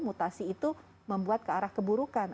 mutasi itu membuat kearah keburukan